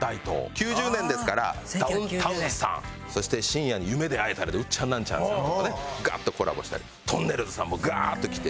９０年ですからダウンタウンさんそして深夜に『夢で逢えたら』でウッチャンナンチャンさんとかねガッとコラボしたりとんねるずさんもガーッときて。